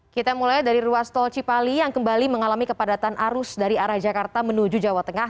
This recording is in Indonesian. kita mulai dari ruas tol cipali yang kembali mengalami kepadatan arus dari arah jakarta menuju jawa tengah